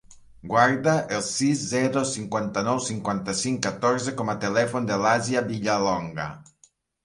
Guarda el sis, zero, cinquanta-nou, cinquanta-cinc, catorze com a telèfon de l'Àsia Villalonga.